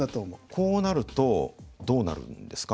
こうなるとどうなるんですか？